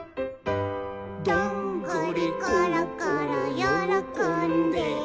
「どんぐりころころよろこんで」